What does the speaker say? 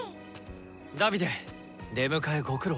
ダヴィデ出迎えご苦労。